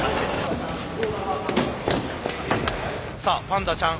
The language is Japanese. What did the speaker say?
さあパンダちゃん